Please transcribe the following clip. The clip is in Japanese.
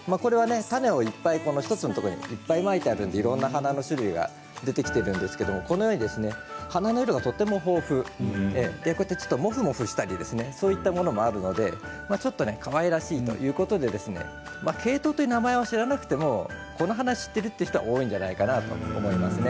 種をいっぱい１つのところにまいてあるのでいろんな花の種類が出てきているんですけれどもこのように花の色がとても豊富もふもふしたりそういうものもあるのでちょっとかわいらしいということでケイトウという名前は知らなくてもこの花知っているという人は多いんじゃないかなと思いますね。